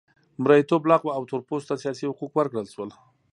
مریتوب لغوه او تور پوستو ته سیاسي حقوق ورکړل شول.